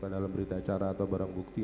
dalam berita acara atau barang bukti